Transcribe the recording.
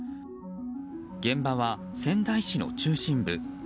現場は仙台市の中心部。